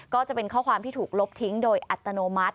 ก็จะเป็นข้อความที่ถูกลบทิ้งโดยอัตโนมัติ